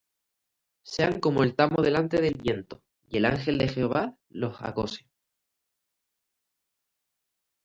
Sean como el tamo delante del viento; Y el ángel de Jehová los acose.